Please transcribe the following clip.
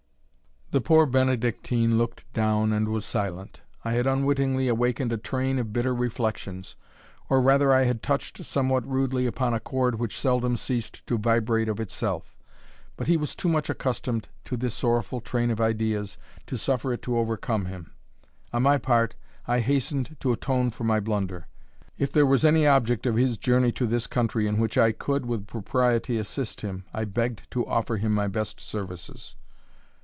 _" The poor Benedictine looked down and was silent. I had unwittingly awakened a train of bitter reflections, or rather I had touched somewhat rudely upon a chord which seldom ceased to vibrate of itself. But he was too much accustomed to this sorrowful train of ideas to suffer it to overcome him. On my part, I hastened to atone for my blunder. "If there was any object of his journey to this country in which I could, with propriety, assist him, I begged to offer him my best services."